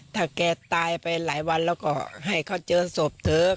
ถ้าแกตายไปหลายวันแล้วก็ให้เขาเจอศพเถอะ